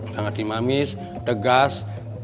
sangat dinamis tegas